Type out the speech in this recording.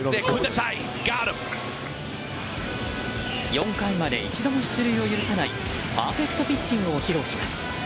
４回まで一度も出塁を許さないパーフェクトピッチングを披露します。